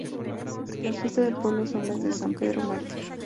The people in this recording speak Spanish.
Las fiestas del pueblo son las de San Pedro Mártir.